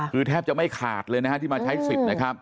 คือแทบจะไม่ขาดเลยนะฮะที่มาใช้สิทธิ์นะครับ